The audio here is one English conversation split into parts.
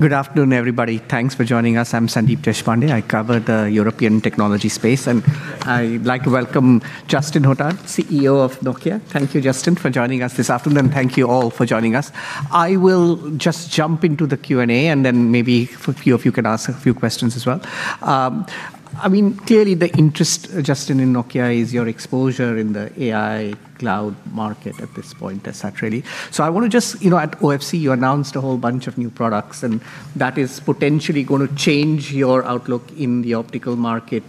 Good afternoon, everybody. Thanks for joining us. I'm Sandeep Deshpande. I cover the European technology space. I'd like to welcome Justin Hotard, CEO of Nokia. Thank you, Justin, for joining us this afternoon. Thank you all for joining us. I will just jump into the Q&A. Maybe a few of you can ask a few questions as well. I mean, clearly the interest, Justin, in Nokia is your exposure in the AI and cloud market at this point, et cetera. I wanna just, you know, at OFC, you announced a whole bunch of new products. That is potentially gonna change your outlook in the optical market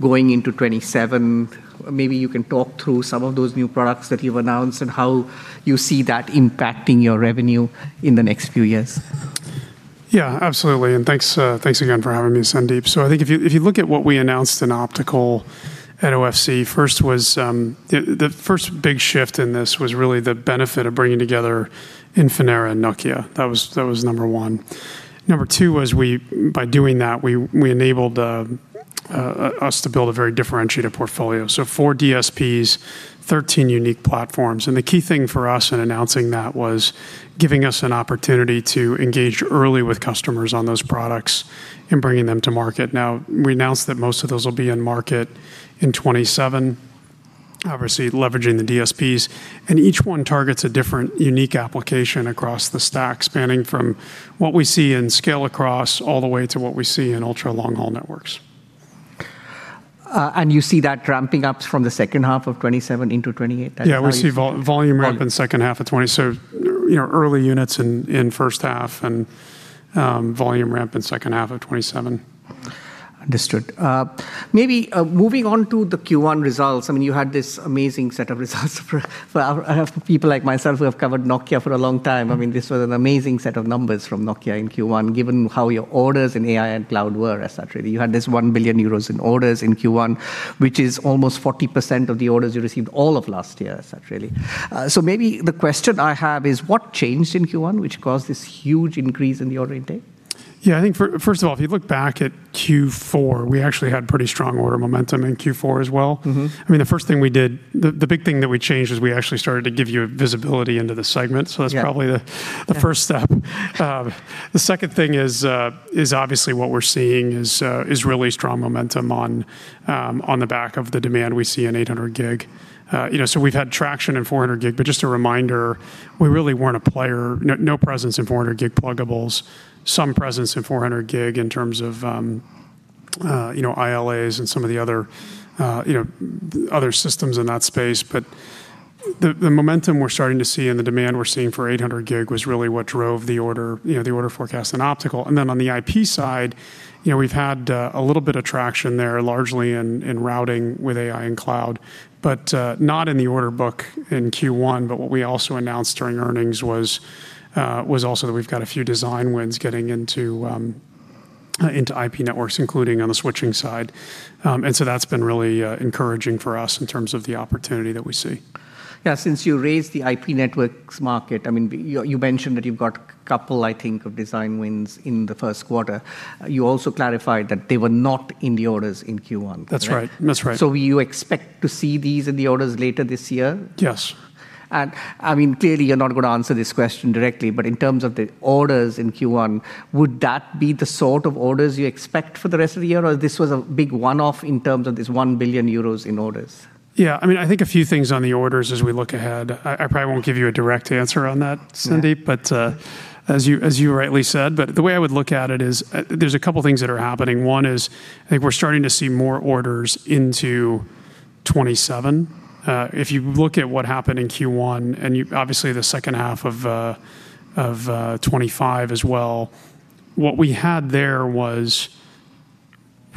going into 2027. Maybe you can talk through some of those new products that you've announced and how you see that impacting your revenue in the next few years. Yeah, absolutely. Thanks, thanks again for having me, Sandeep. I think if you look at what we announced in optical at OFC, first was the first big shift in this was really the benefit of bringing together Infinera and Nokia. That was number one. Number two was we, by doing that, we enabled us to build a very differentiated portfolio. Four DSPs, 13 unique platforms. The key thing for us in announcing that was giving us an opportunity to engage early with customers on those products and bringing them to market. Now, we announced that most of those will be in market in 2027, obviously leveraging the DSPs. Each one targets a different unique application across the stack, spanning from what we see in scale-across all the way to what we see in ultra-long-haul networks. You see that ramping up from the second half of 2027 into 2028. Yeah, we'll see volume ramp in second half of 2020. You know, early units in first half and volume ramp in second half of 2027. Understood. Maybe, moving on to the Q1 results. I mean, you had this amazing set of results for people like myself who have covered Nokia for a long time. I mean, this was an amazing set of numbers from Nokia in Q1, given how your orders in AI and cloud were, et cetera. You had this 1 billion euros in orders in Q1, which is almost 40% of the orders you received all of last year, et cetera. Maybe the question I have is what changed in Q1 which caused this huge increase in the order intake? Yeah, I think first of all, if you look back at Q4, we actually had pretty strong order momentum in Q4 as well. I mean, the first thing we did, the big thing that we changed is we actually started to give you visibility into the segment. Yeah. That's probably the first step. The second thing is obviously what we're seeing is really strong momentum on the back of the demand we see in 800 Gb. You know, we've had traction in 400 Gb, but just a reminder, we really weren't a player. No presence in 400 Gb pluggables. Some presence in 400 Gb in terms of, you know, ILAs and some of the other, you know, other systems in that space. The momentum we're starting to see and the demand we're seeing for 800 Gb was really what drove the order, you know, the order forecast in optical. On the IP side, you know, we've had a little bit of traction there, largely in routing with AI and cloud, not in the order book in Q1. What we also announced during earnings was also that we've got a few design wins getting into IP networks, including on the switching side. That's been really encouraging for us in terms of the opportunity that we see. Yeah, since you raised the IP networks market, I mean, you mentioned that you've got a couple, I think, of design wins in the first quarter. You also clarified that they were not in the orders in Q1. That's right. That's right. You expect to see these in the orders later this year? Yes. I mean, clearly you're not gonna answer this question directly, but in terms of the orders in Q1, would that be the sort of orders you expect for the rest of the year, or this was a big one-off in terms of this 1 billion euros in orders? Yeah, I mean, I think a few things on the orders as we look ahead. I probably won't give you a direct answer on that, Sandeep. As you rightly said. The way I would look at it is, there's a couple things that are happening. One is I think we're starting to see more orders into 2027. If you look at what happened in Q1, and you obviously the second half of 2025 as well, what we had there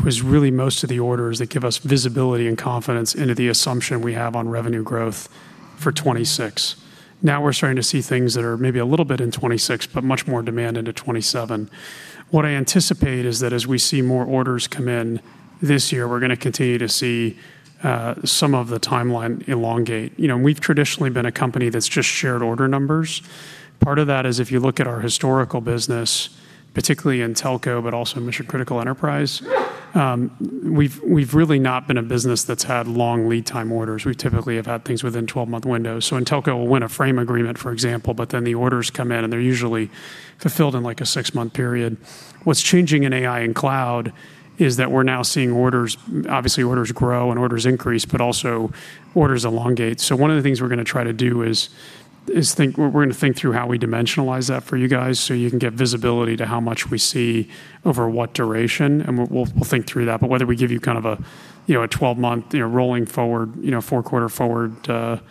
was really most of the orders that give us visibility and confidence into the assumption we have on revenue growth for 2026. Now we're starting to see things that are maybe a little bit in 2026, but much more demand into 2027. What I anticipate is that as we see more orders come in this year, we're gonna continue to see some of the timeline elongate. You know, we've traditionally been a company that's just shared order numbers. Part of that is if you look at our historical business, particularly in telco, but also mission-critical enterprise, we've really not been a business that's had long lead time orders. We typically have had things within 12-month windows. In telco, we'll win a frame agreement, for example, but then the orders come in, and they're usually fulfilled in, like, a six-month period. What's changing in AI and cloud is that we're now seeing orders, obviously orders grow and orders increase, but also orders elongate. One of the things we're gonna try to do is think, we're gonna think through how we dimensionalize that for you guys, so you can get visibility to how much we see over what duration, and we'll think through that. Whether we give you kind of a, you know, a 12-month, you know, rolling forward, you know, four quarter forward,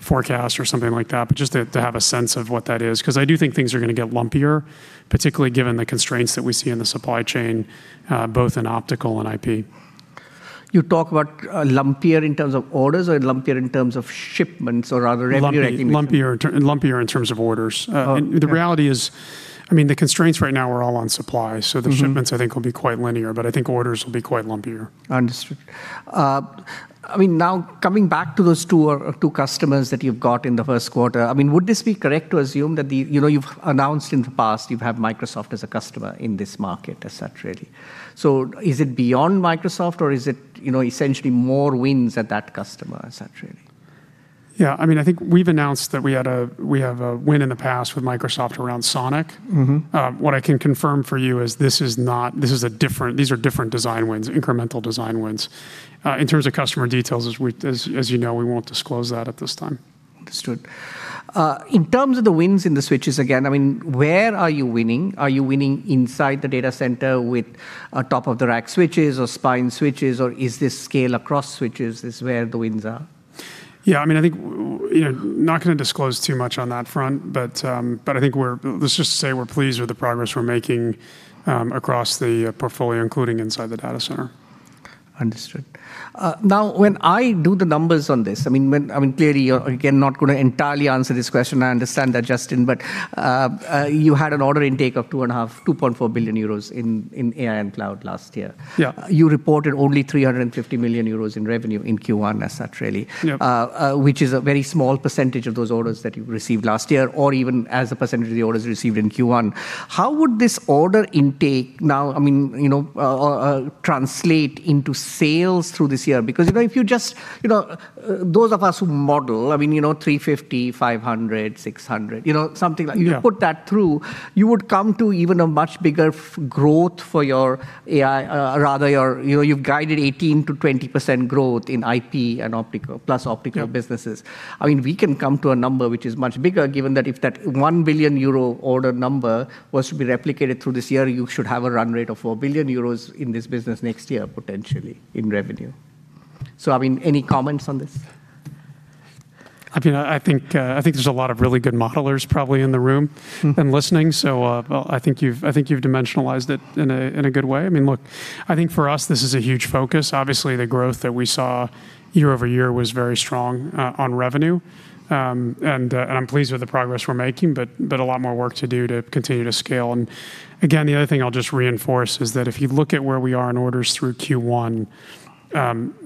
forecast or something like that, just to have a sense of what that is, 'cause I do think things are gonna get lumpier, particularly given the constraints that we see in the supply chain, both in optical and IP. You talk about lumpier in terms of orders or lumpier in terms of shipments or rather revenue recognition? Lumpier in terms of orders. Oh, okay. The reality is, I mean, the constraints right now are all on supply. The shipments I think will be quite linear, but I think orders will be quite lumpier. Understood. I mean, now coming back to those two or two customers that you've got in the first quarter, I mean, would this be correct to assume that, you know, you've announced in the past you have Microsoft as a customer in this market, et cetera. Is it beyond Microsoft, or is it, you know, essentially more wins at that customer, et cetera? Yeah, I think we've announced that we have a win in the past with Microsoft around SONiC. What I can confirm for you is these are different design wins, incremental design wins. In terms of customer details, as you know, we won't disclose that at this time. Understood. In terms of the wins in the switches, again, I mean, where are you winning? Are you winning inside the data center with top-of-the-rack switches or spine switches, or is this scale-across switches is where the wins are? Yeah, I mean, I think, you know, not gonna disclose too much on that front, but I think let's just say we're pleased with the progress we're making across the portfolio, including inside the data center. Understood. Now, when I do the numbers on this, I mean, clearly, you're, again, not gonna entirely answer this question. I understand that, Justin. You had an order intake of 2.4 billion euros in AI and cloud last year. Yeah. You reported only 350 million euros in revenue in Q1 as such, really. Yep. Which is a very small percentage of those orders that you received last year or even as a percentage of the orders received in Q1. How would this order intake now, I mean, you know, translate into sales through this year? Because, you know, if you just, you know, those of us who model, I mean, you know, 350, 500, 600, you know. Yeah you put that through, you would come to even a much bigger growth for your AI, rather your, you know, you've guided 18%-20% growth in IP and optical, plus optical businesses. Yeah. I mean, we can come to a number which is much bigger, given that if that 1 billion euro order number was to be replicated through this year, you should have a run rate of 4 billion euros in this business next year, potentially, in revenue. I mean, any comments on this? I mean, I think there's a lot of really good modelers probably in the room. and listening. I think you've dimensionalized it in a good way. I mean, look, I think for us, this is a huge focus. Obviously, the growth that we saw year-over-year was very strong on revenue. I'm pleased with the progress we're making, but a lot more work to do to continue to scale. Again, the other thing I'll just reinforce is that if you look at where we are in orders through Q1,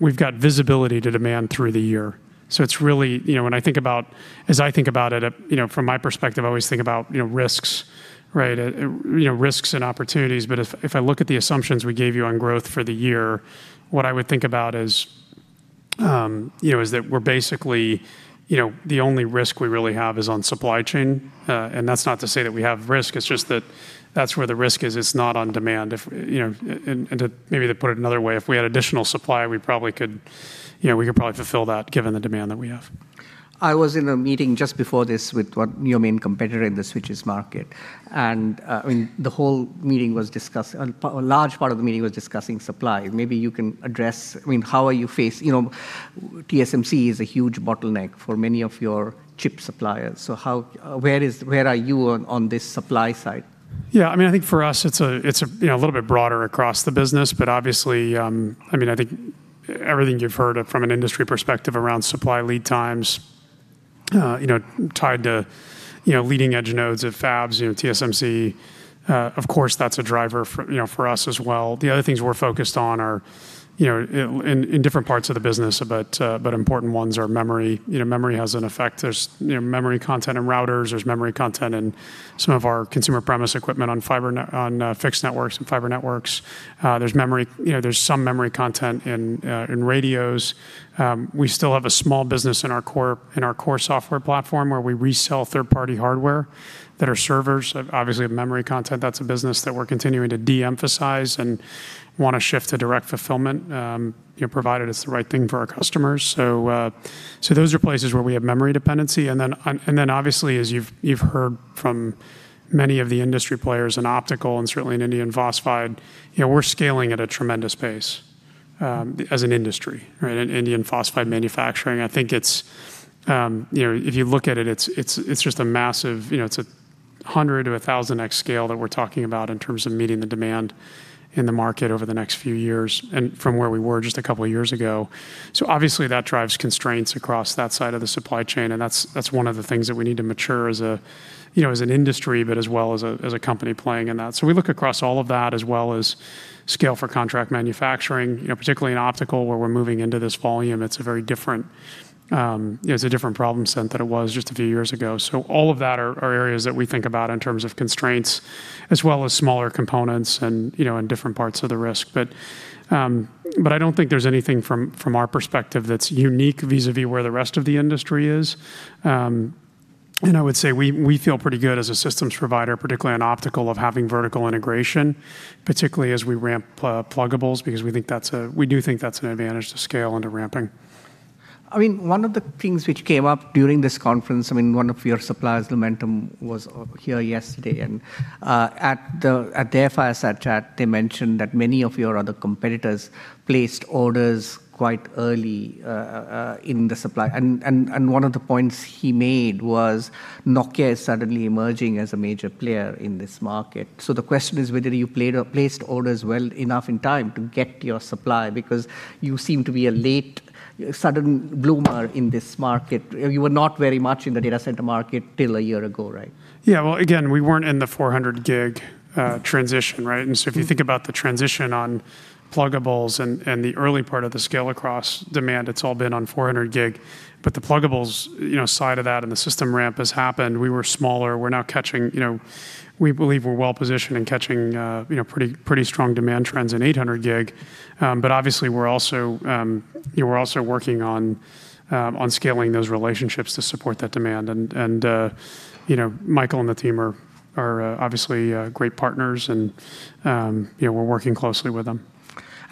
we've got visibility to demand through the year. It's really, you know, when I think about it, you know, from my perspective, I always think about, you know, risks, right? You know, risks and opportunities. If I look at the assumptions we gave you on growth for the year, what I would think about is, you know, is that we're basically, you know, the only risk we really have is on supply chain. That's not to say that we have risk. It's just that that's where the risk is. It's not on demand. If, you know, to maybe to put it another way, if we had additional supply, we probably could, you know, we could probably fulfill that given the demand that we have. I was in a meeting just before this with one, your main competitor in the switches market. I mean, a large part of the meeting was discussing supply. Maybe you can address, I mean, how are you face, you know, TSMC is a huge bottleneck for many of your chip suppliers. How, where are you on this supply side? Yeah, I mean, I think for us, it's a, you know, a little bit broader across the business, but obviously, I mean, I think everything you've heard of from an industry perspective around supply lead times, you know, tied to, you know, leading-edge nodes at fabs, you know, TSMC, of course, that's a driver for, you know, for us as well. The other things we're focused on are, you know, in different parts of the business, but important ones are memory. You know, memory has an effect. There's, you know, memory content in routers, there's memory content in some of our consumer premise equipment on fiber on fixed networks and fiber networks. There's memory, you know, there's some memory content in radios. We still have a small business in our core, in our core software platform where we resell third-party hardware that are servers. Obviously have memory content. That's a business that we're continuing to de-emphasize and wanna shift to direct fulfillment, you know, provided it's the right thing for our customers. Those are places where we have memory dependency. Then obviously, as you've heard from many of the industry players in optical and certainly in indium phosphide, you know, we're scaling at a tremendous pace as an industry, right? In indium phosphide manufacturing, I think it's, you know, if you look at it's just a massive, you know, it's a 100 to 1,000x scale that we're talking about in terms of meeting the demand in the market over the next few years and from where we were just a couple of years ago. Obviously, that drives constraints across that side of the supply chain, and that's one of the things that we need to mature as a, you know, as an industry, but as well as a, as a company playing in that. We look across all of that as well as scale for contract manufacturing, you know, particularly in optical, where we're moving into this volume. It's a very different, you know, it's a different problem set than it was just a few years ago. All of that are areas that we think about in terms of constraints as well as smaller components and, you know, in different parts of the risk. I don't think there's anything from our perspective that's unique vis-à-vis where the rest of the industry is. I would say we feel pretty good as a systems provider, particularly in optical, of having vertical integration, particularly as we ramp pluggables, because we do think that's an advantage to scale and to ramping. I mean, one of the things which came up during this conference, I mean, one of your suppliers, Lumentum, was here yesterday. At their fireside chat, they mentioned that many of your other competitors placed orders quite early in the supply. One of the points he made was Nokia is suddenly emerging as a major player in this market. The question is whether you played or placed orders well enough in time to get your supply because you seem to be a late, sudden bloomer in this market. You were not very much in the data center market till 1 year ago, right? Yeah. Well, again, we weren't in the 400 Gb transition, right? If you think about the transition on pluggables and the early part of the scale-across demand, it's all been on 400 Gb. The pluggables, you know, side of that and the system ramp has happened. We were smaller. We're now catching, you know, we believe we're well-positioned in catching, you know, pretty strong demand trends in 800 Gb. Obviously, we're also, you know, we're also working on scaling those relationships to support that demand. You know, Michael and the team are obviously great partners and, you know, we're working closely with them.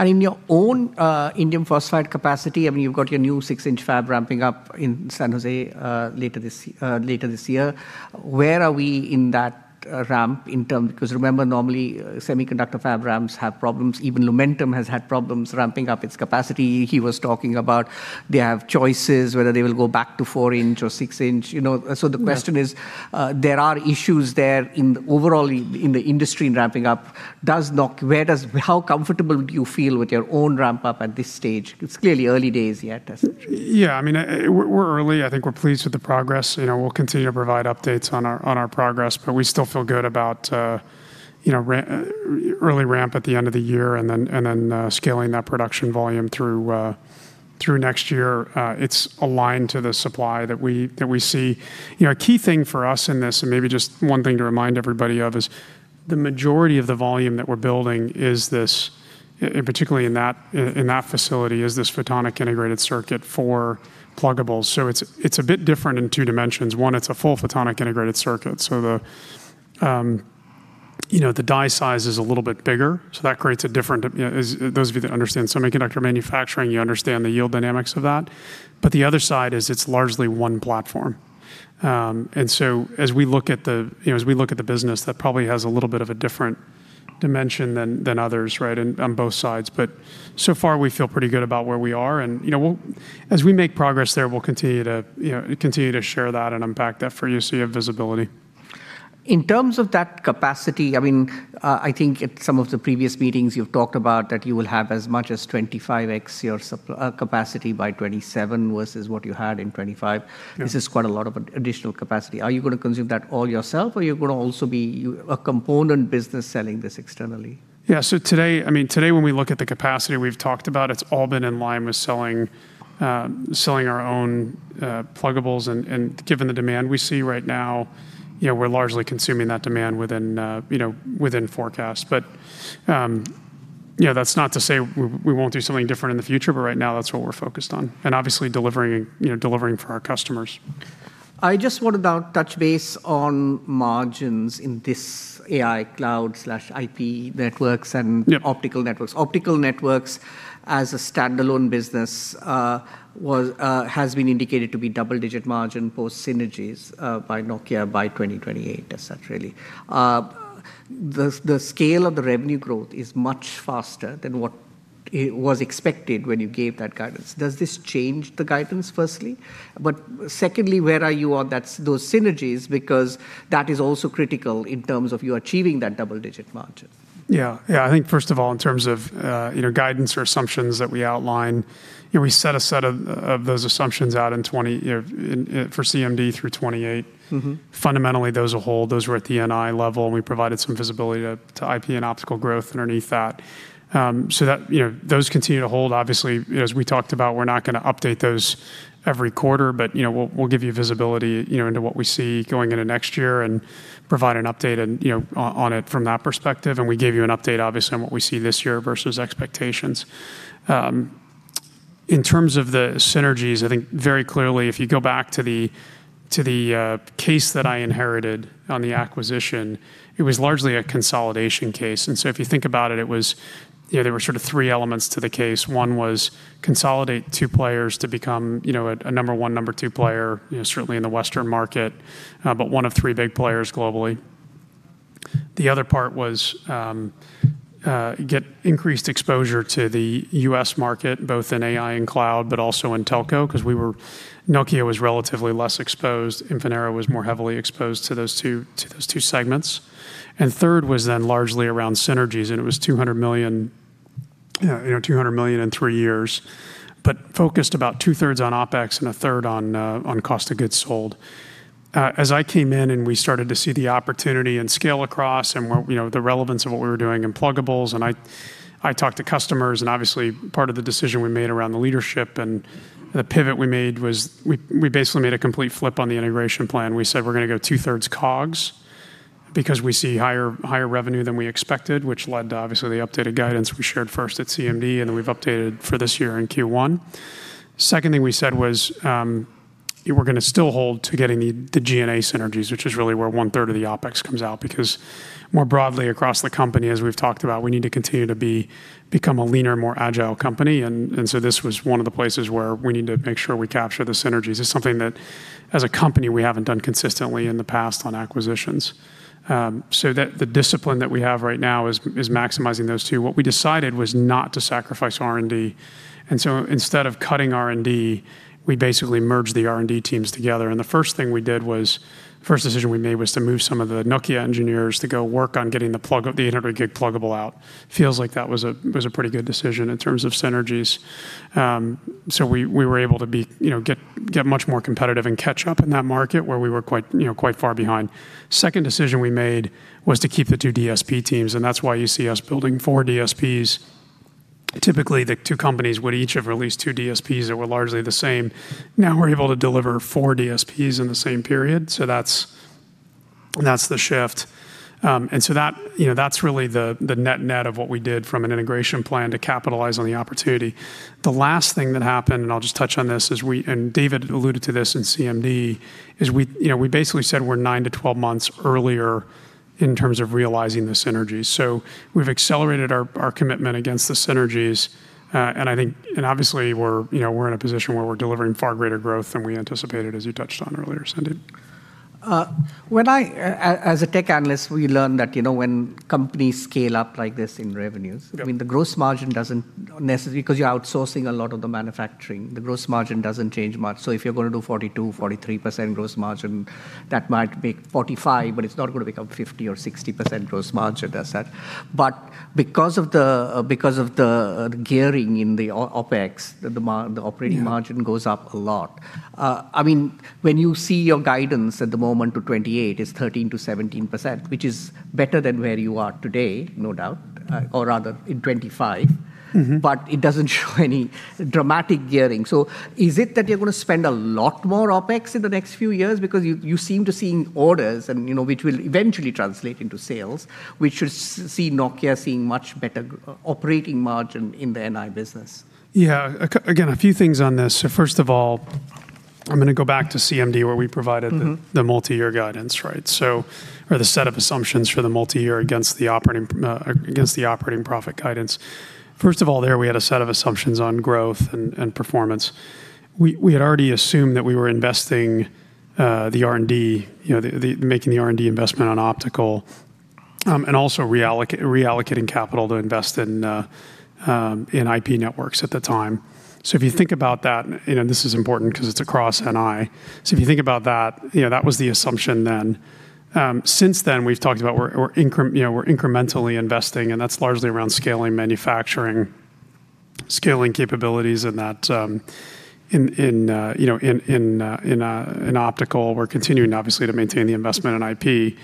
In your own indium phosphide capacity, I mean, you've got your new six-inch fab ramping up in San Jose later this year. Where are we in that ramp in terms, because normally semiconductor fab ramps have problems. Even Lumentum has had problems ramping up its capacity. He was talking about they have choices whether they will go back to four-inch or six-inch, you know. The question is, there are issues there in overall in the industry in ramping up. How comfortable do you feel with your own ramp up at this stage? It's clearly early days yet. I mean, we're early. I think we're pleased with the progress. You know, we'll continue to provide updates on our progress, we still feel good about early ramp at the end of the year and then scaling that production volume through next year. It's aligned to the supply that we see. You know, a key thing for us in this, and maybe just one thing to remind everybody of, is the majority of the volume that we're building is this, and particularly in that facility, is this photonic integrated circuit for pluggables. It's a bit different in two dimensions. One, it's a full photonic integrated circuit, so the, you know, the die size is a little bit bigger, so that creates a different, as those of you that understand semiconductor manufacturing, you understand the yield dynamics of that. The other side is it's largely one platform. As we look at the, you know, as we look at the business, that probably has a little bit of a different dimension than others, right, and on both sides. So far we feel pretty good about where we are and, you know, as we make progress there, we'll continue to, you know, continue to share that and unpack that for you so you have visibility. In terms of that capacity, I mean, I think at some of the previous meetings you've talked about that you will have as much as 25x your capacity by 2027 versus what you had in 2025. Yeah. This is quite a lot of an additional capacity. Are you gonna consume that all yourself, or are you gonna also be a component business selling this externally? Today, I mean, today, when we look at the capacity we've talked about, it's all been in line with selling our own pluggables and given the demand we see right now, you know, we're largely consuming that demand within, you know, within forecast. You know, that's not to say we won't do something different in the future, but right now that's what we're focused on, and obviously delivering, you know, delivering for our customers. I just want to now touch base on margins in this AI cloud/IP networks. Yeah optical networks. Optical networks as a standalone business, has been indicated to be double-digit margin post synergies, by Nokia by 2028, et cetera, really. The scale of the revenue growth is much faster than what was expected when you gave that guidance. Does this change the guidance, firstly? Secondly, where are you on those synergies because that is also critical in terms of you achieving that double-digit margin. Yeah, I think first of all, in terms of, you know, guidance or assumptions that we outline, you know, we set a set of those assumptions out for CMD through 2028. Fundamentally, those will hold. Those were at the NI level, and we provided some visibility to IP and optical growth underneath that. That, you know, those continue to hold. Obviously, you know, as we talked about, we're not gonna update those every quarter. You know, we'll give you visibility, you know, into what we see going into next year and provide an update and, you know, on it from that perspective, and we gave you an update obviously on what we see this year versus expectations. In terms of the synergies, I think very clearly, if you go back to the case that I inherited on the acquisition, it was largely a consolidation case. If you think about it was, you know, there were sort of three elements to the case. One was consolidate two players to become, you know, a number one, number two player, you know, certainly in the Western market, but one of three big players globally. The other part was get increased exposure to the U.S. market, both in AI and cloud, but also in telco, 'cause Nokia was relatively less exposed. Infinera was more heavily exposed to those two segments. Third was then largely around synergies, and it was 200 million, you know, 200 million in three years. Focused about 2/3 on OpEx and a third on cost of goods sold. As I came in and we started to see the opportunity and scale-across and what, you know, the relevance of what we were doing in pluggables, I talked to customers, obviously part of the decision we made around the leadership and the pivot we made was we basically made a complete flip on the integration plan. We said we're gonna go 2/3 COGS because we see higher revenue than we expected, which led to obviously the updated guidance we shared first at CMD then we've updated for this year in Q1. Second thing we said was we're gonna still hold to getting the G&A synergies, which is really where 1/3 of the OpEx comes out. More broadly across the company, as we've talked about, we need to continue to become a leaner, more agile company. This was one of the places where we need to make sure we capture the synergies. It's something that as a company we haven't done consistently in the past on acquisitions. The discipline that we have right now is maximizing those two. What we decided was not to sacrifice R&D. Instead of cutting R&D, we basically merged the R&D teams together. The first thing we did was, first decision we made was to move some of the Nokia engineers to go work on getting the 800 Gb pluggable out. Feels like that was a pretty good decision in terms of synergies. We were able to be, you know, get much more competitive and catch up in that market where we were quite, you know, quite far behind. Second decision we made was to keep the two DSP teams, and that's why you see us building four DSPs. Typically, the two companies would each have released two DSPs that were largely the same. Now we're able to deliver four DSPs in the same period, so that's the shift. That, you know, that's really the net-net of what we did from an integration plan to capitalize on the opportunity. The last thing that happened, I'll just touch on this, is David alluded to this in CMD, is we, you know, we basically said we're 9-12 months earlier in terms of realizing the synergies. We've accelerated our commitment against the synergies. Obviously we're, you know, we're in a position where we're delivering far greater growth than we anticipated, as you touched on earlier, Sandeep. As a tech analyst, we learn that, you know, when companies scale up like this in revenues. Yep I mean, the gross margin doesn't necessarily, because you're outsourcing a lot of the manufacturing, the gross margin doesn't change much. If you're gonna do 42%, 43% gross margin, that might be 45%, it's not gonna become 50% or 60% gross margin, as such. Because of the gearing in the OpEx, the operating margin. Yeah goes up a lot. I mean, when you see your guidance at the moment to 2028 is 13%-17%, which is better than where you are today, no doubt, or rather in 2025. It doesn't show any dramatic gearing. Is it that you're gonna spend a lot more OpEx in the next few years? Because you seem to seeing orders and, you know, which will eventually translate into sales, we should see Nokia seeing much better operating margin in the NI business. Yeah. Again, a few things on this. First of all, I'm gonna go back to CMD where we provided the multi-year guidance, right? Are the set of assumptions for the multi-year against the operating profit guidance. First of all, there, we had a set of assumptions on growth and performance. We had already assumed that we were investing the R&D, you know, the making the R&D investment on optical, and also reallocating capital to invest in IP networks at the time. If you think about that, you know, this is important because it's across NI. If you think about that, you know, that was the assumption then. Since then we've talked about we're incrementally investing, and that's largely around scaling manufacturing, scaling capabilities in that in optical. We're continuing, obviously, to maintain the investment in IP.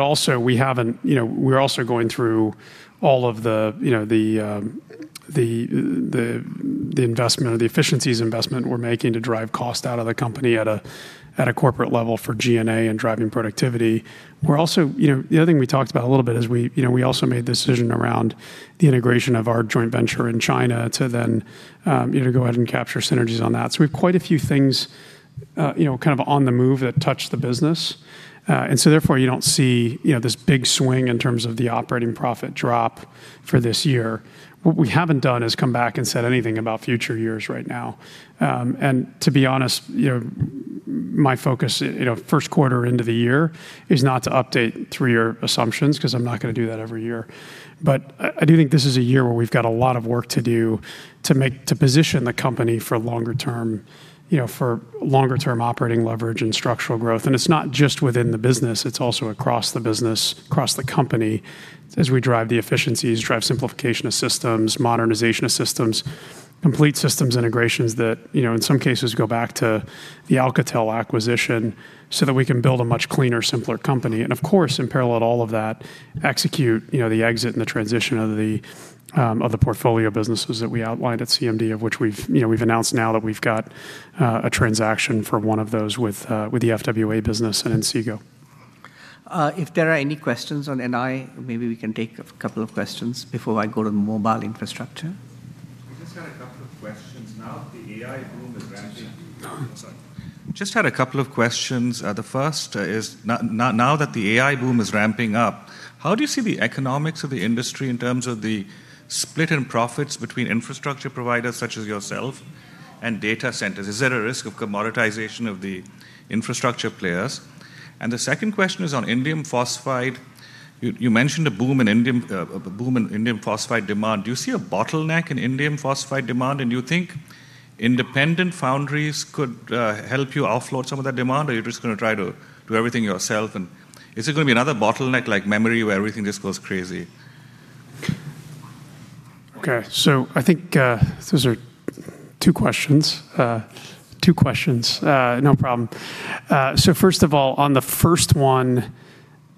Also we haven't, you know, we're also going through all of the, you know, the investment or the efficiencies investment we're making to drive cost out of the company at a corporate level for G&A and driving productivity. We're also, you know, the other thing we talked about a little bit is we, you know, we also made the decision around the integration of our joint venture in China to then, you know, go ahead and capture synergies on that. We have quite a few things, you know, kind of on the move that touch the business. Therefore, you don't see, you know, this big swing in terms of the operating profit drop for this year. What we haven't done is come back and said anything about future years right now. To be honest, you know, my focus, you know, first quarter into the year is not to update three-year assumptions because I'm not gonna do that every year. I do think this is a year where we've got a lot of work to do to position the company for longer term, you know, for longer term operating leverage and structural growth. It's not just within the business, it's also across the business, across the company, as we drive the efficiencies, drive simplification of systems, modernization of systems, complete systems integrations that, you know, in some cases go back to the Alcatel-Lucent acquisition so that we can build a much cleaner, simpler company. Of course, in parallel to all of that, execute, you know, the exit and the transition of the portfolio businesses that we outlined at CMD, of which we've, you know, we've announced now that we've got a transaction for one of those with the FWA business and Inseego. If there are any questions on NI, maybe we can take a couple of questions before I go to mobile infrastructure. I just had a couple of questions. The AI boom is ramping. Sorry. Sorry. Just had a couple of questions. The first is now that the AI boom is ramping up, how do you see the economics of the industry in terms of the split in profits between infrastructure providers such as yourself and data centers? Is there a risk of commoditization of the infrastructure players? The second question is on indium phosphide. You mentioned a boom in indium, a boom in indium phosphide demand. Do you see a bottleneck in indium phosphide demand? You think independent foundries could help you offload some of that demand? Or you're just gonna try to do everything yourself and is it gonna be another bottleneck like memory where everything just goes crazy? Okay. I think, those are two questions. Two questions. No problem. First of all, on the first one,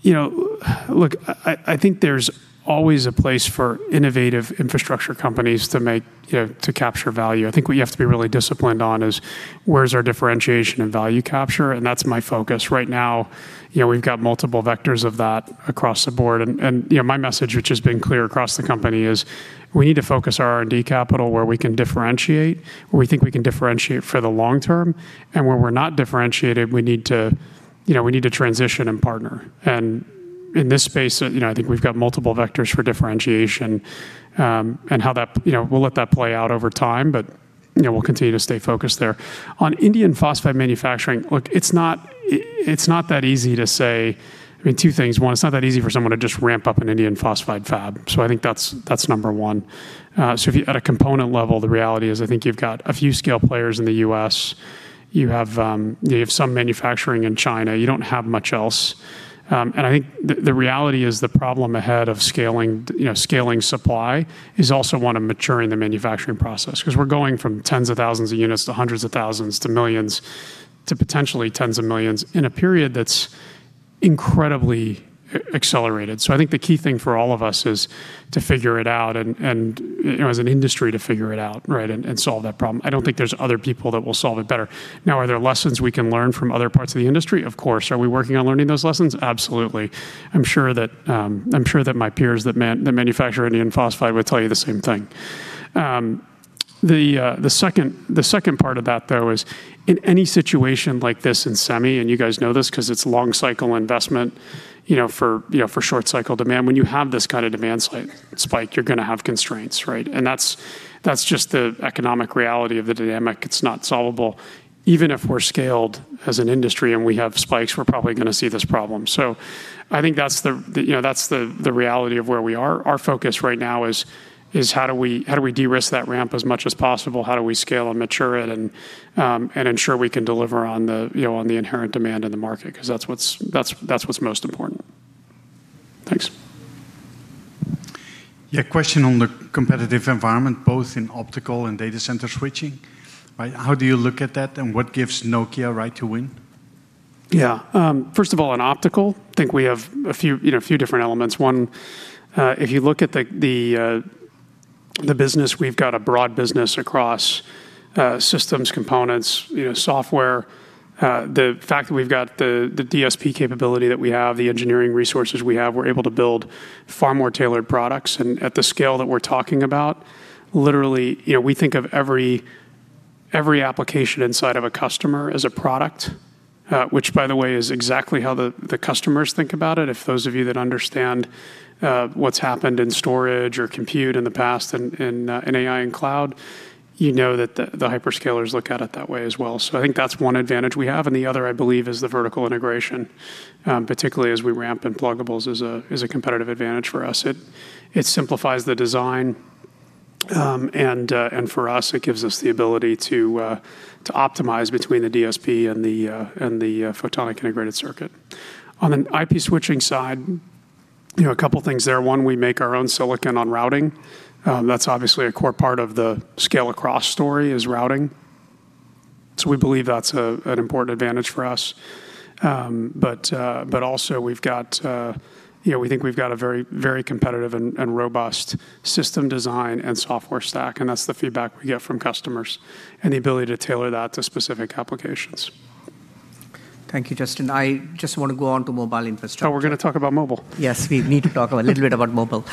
you know, look, I think there's always a place for innovative infrastructure companies to make, you know, to capture value. I think what you have to be really disciplined on is where's our differentiation and value capture, and that's my focus right now. You know, we've got multiple vectors of that across the board. You know, my message, which has been clear across the company, is we need to focus our R&D capital where we can differentiate, where we think we can differentiate for the long term. Where we're not differentiated, we need to, you know, we need to transition and partner. In this space, you know, I think we've got multiple vectors for differentiation, and how that, you know, we'll let that play out over time, but, you know, we'll continue to stay focused there. On indium phosphide manufacturing, look, it's not that easy to say I mean, two things. One, it's not that easy for someone to just ramp up an indium phosphide fab. I think that's number one. If you at a component level, the reality is I think you've got a few scale players in the U.S. You have some manufacturing in China. You don't have much else. I think the reality is the problem ahead of scaling, you know, scaling supply is also one of maturing the manufacturing process, because we're going from tens of thousands of units to hundreds of thousands to millions to potentially tens of millions in a period that's incredibly accelerated. I think the key thing for all of us is to figure it out and, you know, as an industry to figure it out, right, and solve that problem. I don't think there's other people that will solve it better. Are there lessons we can learn from other parts of the industry? Of course. Are we working on learning those lessons? Absolutely. I'm sure that my peers that manufacture indium phosphide would tell you the same thing. The second part of that though is in any situation like this in semi, and you guys know this 'cause it's long cycle investment, you know, for, you know, for short cycle demand. When you have this kind of demand spike, you're gonna have constraints, right? That's just the economic reality of the dynamic. It's not solvable. Even if we're scaled as an industry and we have spikes, we're probably gonna see this problem. I think that's the, you know, that's the reality of where we are. Our focus right now is how do we de-risk that ramp as much as possible? How do we scale and mature it and ensure we can deliver on the, you know, on the inherent demand in the market? 'Cause that's what's most important. Thanks. Yeah. Question on the competitive environment, both in optical and data center switching, right? How do you look at that, and what gives Nokia right to win? Yeah. First of all, in optical, I think we have a few, you know, a few different elements. One, if you look at the business, we've got a broad business across systems, components, you know, software. The fact that we've got the DSP capability that we have, the engineering resources we have, we're able to build far more tailored products. At the scale that we're talking about, literally, you know, we think of every application inside of a customer as a product. Which by the way, is exactly how the customers think about it. If those of you that understand what's happened in storage or compute in the past in AI and cloud, you know that the hyperscalers look at it that way as well. I think that's one advantage we have, and the other, I believe, is the vertical integration, particularly as we ramp in pluggables, is a competitive advantage for us. It simplifies the design, and for us, it gives us the ability to optimize between the DSP and the photonic integrated circuit. On an IP switching side, you know, a couple things there. One, we make our own silicon on routing. That's obviously a core part of the scale-across story is routing. We believe that's an important advantage for us. But also we've got, you know, we think we've got a very competitive and robust system design and software stack, and that's the feedback we get from customers, and the ability to tailor that to specific applications. Thank you, Justin. I just want to go on to mobile infrastructure. Oh, we're gonna talk about mobile. Yes, we need to talk a little bit about mobile.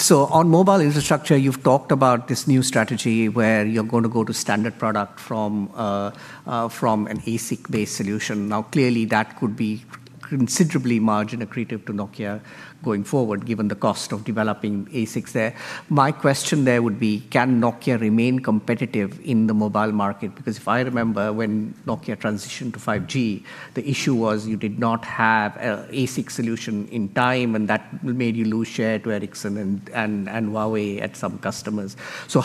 So on mobile infrastructure, you've talked about this new strategy where you're gonna go to standard product from an ASIC-based solution. Clearly that could be considerably margin accretive to Nokia going forward, given the cost of developing ASICs there. My question there would be, can Nokia remain competitive in the mobile market? If I remember when Nokia transitioned to 5G, the issue was you did not have a ASIC solution in time, and that made you lose share to Ericsson and Huawei at some customers.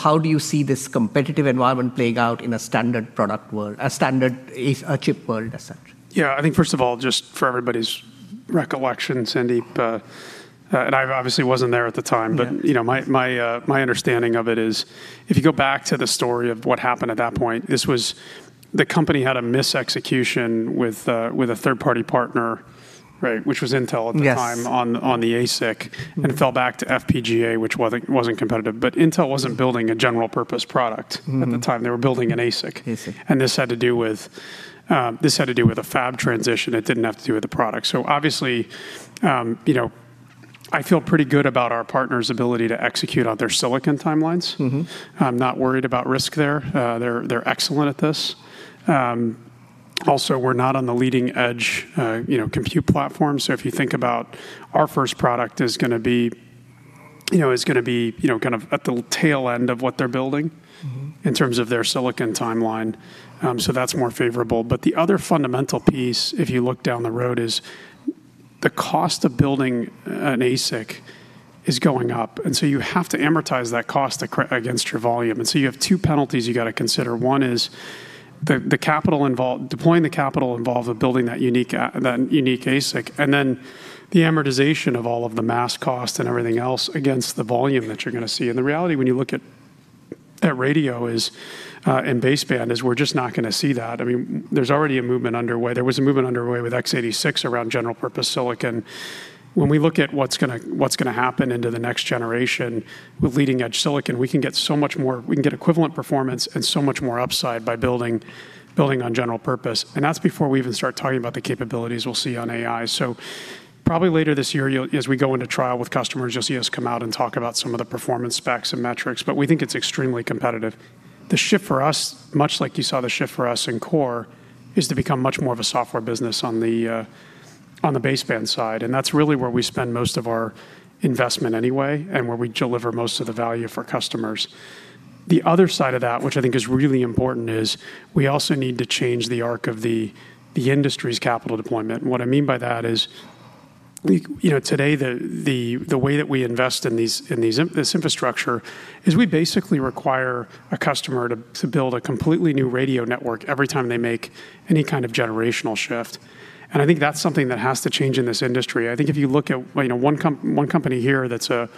How do you see this competitive environment playing out in a standard product world, a standard chip world, as such? Yeah. I think first of all, just for everybody's recollection, Sandeep, I obviously wasn't there at the time. Yeah. You know, my understanding of it is if you go back to the story of what happened at that point, this was the company had a misexecution with a third-party partner, right, which was Intel at the time. Yes on the ASIC. It fell back to FPGA, which wasn't competitive. Intel wasn't building a general purpose product at the time. They were building an ASIC. ASIC. This had to do with a fab transition. It didn't have to do with the product. Obviously, you know, I feel pretty good about our partner's ability to execute on their silicon timelines. I'm not worried about risk there. They're excellent at this. Also, we're not on the leading edge, you know, compute platform. If you think about our first product is gonna be, you know, kind of at the tail end of what they're building. in terms of their silicon timeline. That's more favorable. The other fundamental piece, if you look down the road, is the cost of building an ASIC is going up, you have to amortize that cost against your volume. You have two penalties you gotta consider. One is the capital involved, deploying the capital involved with building that unique ASIC, then the amortization of all of the mask cost and everything else against the volume that you're gonna see. The reality when you look at radio, and baseband is we're just not gonna see that. I mean, there's already a movement underway. There was a movement underway with x86 around general purpose silicon. When we look at what's gonna happen into the next generation with leading-edge silicon, we can get so much more. We can get equivalent performance and so much more upside by building on general purpose. That's before we even start talking about the capabilities we'll see on AI. Probably later this year, as we go into trial with customers, you'll see us come out and talk about some of the performance specs and metrics, but we think it's extremely competitive. The shift for us, much like you saw the shift for us in core, is to become much more of a software business on the baseband side, and that's really where we spend most of our investment anyway and where we deliver most of the value for customers. The other side of that, which I think is really important, is we also need to change the arc of the industry's capital deployment. What I mean by that is we, you know, today the way that we invest in this infrastructure is we basically require a customer to build a completely new radio network every time they make any kind of generational shift, and I think that's something that has to change in this industry. I think if you look at, you know, one company here that's, you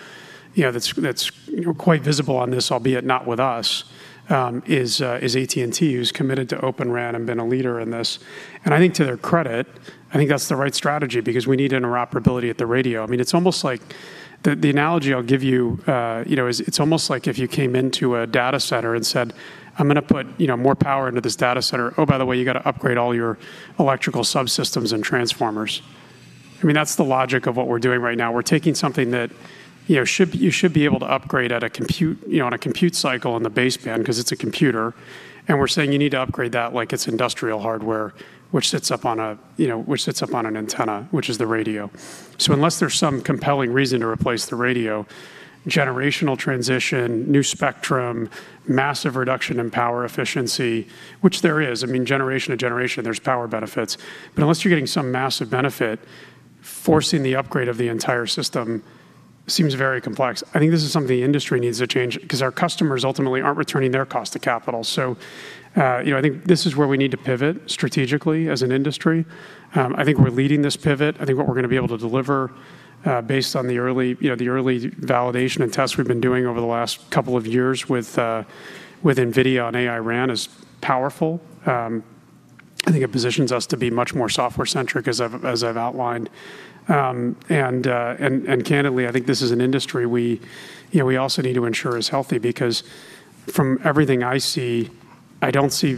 know, that's, you know, quite visible on this, albeit not with us, is AT&T, who's committed to Open RAN and been a leader in this. I think to their credit, I think that's the right strategy because we need interoperability at the radio. I mean, it's almost like the analogy I'll give you know, is it's almost like if you came into a data center and said, "I'm gonna put, you know, more power into this data center. Oh, by the way, you gotta upgrade all your electrical subsystems and transformers." I mean, that's the logic of what we're doing right now. We're taking something that, you know, you should be able to upgrade at a compute, you know, on a compute cycle on the baseband 'cause it's a computer, and we're saying you need to upgrade that like it's industrial hardware, which sits up on an antenna, which is the radio. Unless there's some compelling reason to replace the radio, generational transition, new spectrum, massive reduction in power efficiency, which there is, I mean, generation to generation, there's power benefits. Unless you're getting some massive benefit, forcing the upgrade of the entire system seems very complex. I think this is something the industry needs to change because our customers ultimately aren't returning their cost of capital. You know, I think this is where we need to pivot strategically as an industry. I think we're leading this pivot. I think what we're gonna be able to deliver, based on the early, you know, the early validation and tests we've been doing over the last couple of years with NVIDIA on AI RAN is powerful. I think it positions us to be much more software-centric as I've, as I've outlined. Candidly, I think this is an industry we, you know, we also need to ensure is healthy because from everything I see, I don't see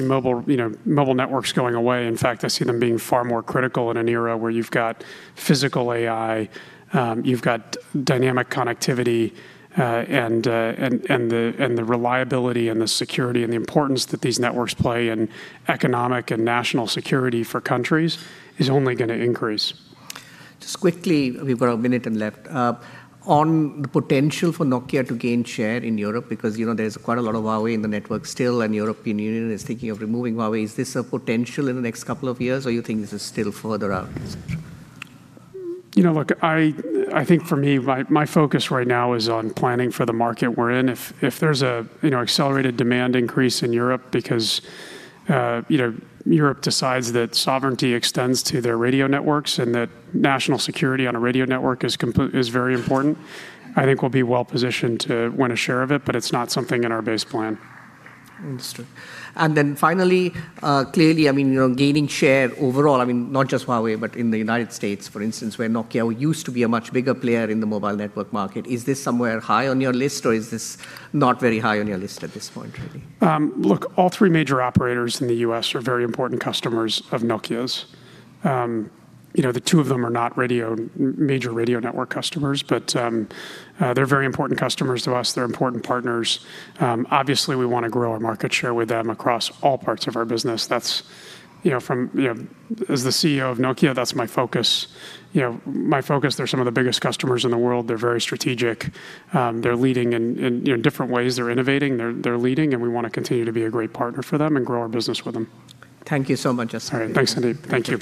mobile, you know, networks going away. In fact, I see them being far more critical in an era where you've got physical AI, you've got dynamic connectivity, and the reliability and the security and the importance that these networks play in economic and national security for countries is only gonna increase. Just quickly, we've got a minute left on the potential for Nokia to gain share in Europe, because, you know, there's quite a lot of Huawei in the network still, and European Union is thinking of removing Huawei. Is this a potential in the next couple of years, or you think this is still further out? You know, look, I think for me, my focus right now is on planning for the market we're in. If there's a, you know, accelerated demand increase in Europe because, you know, Europe decides that sovereignty extends to their radio networks and that national security on a radio network is very important, I think we'll be well positioned to win a share of it. It's not something in our base plan. Understood. Then finally, clearly, I mean, you know, gaining share overall, I mean, not just Huawei, but in the U.S., for instance, where Nokia used to be a much bigger player in the mobile network market. Is this somewhere high on your list, or is this not very high on your list at this point, really? Look, all three major operators in the U.S. are very important customers of Nokia's. You know, the two of them are not radio, major radio network customers, but, they're very important customers to us. They're important partners. Obviously, we wanna grow our market share with them across all parts of our business. That's, you know, from, you know, as the CEO of Nokia, that's my focus. You know, my focus, they're some of the biggest customers in the world. They're very strategic. They're leading in, you know, different ways. They're innovating, they're leading, and we wanna continue to be a great partner for them and grow our business with them. Thank you so much, Justin. All right. Thanks, Sandeep. Thank you.